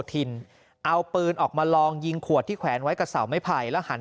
ทินเอาปืนออกมาลองยิงขวดที่แขวนไว้กับเสาไม้ไผ่แล้วหัน